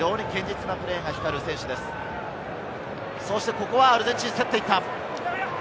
ここはアルゼンチン、競って行った！